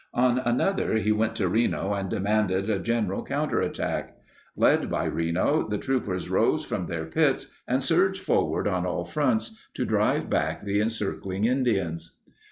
On another he went to Reno and demanded a general counterattack. Led by Reno, the troopers rose from their pits and surged forward on all fronts to drive back the encircling Indians.